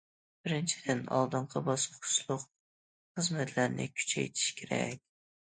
بىرىنچىدىن، ئالدىنقى باسقۇچلۇق خىزمەتلەرنى كۈچەيتىش كېرەك.